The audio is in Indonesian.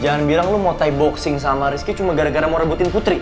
jangan bilang lo mau tyboxing sama rizky cuma gara gara mau rebutin putri